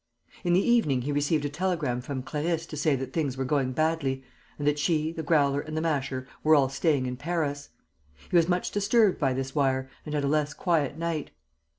In the evening he received a telegram from Clarisse to say that things were going badly and that she, the Growler and the Masher were all staying in Paris. He was much disturbed by this wire and had a less quiet night.